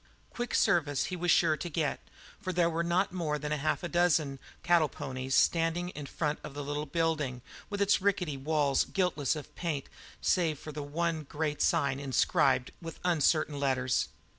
Quick service he was sure to get, for there were not more than half a dozen cattle ponies standing in front of the little building with its rickety walls guiltless of paint save for the one great sign inscribed with uncertain letters.